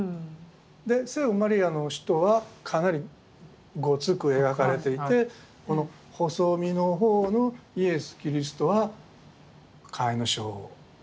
で聖母マリアの人はかなりゴツく描かれていてこの細身の方のイエス・キリストは甲斐荘自身。